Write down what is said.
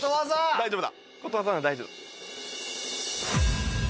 大丈夫だ。